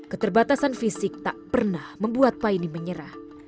keterbatasan fisik tak pernah membuat paine menyerah